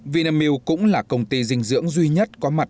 vinamilk cũng là công ty dinh dưỡng duy nhất có mặt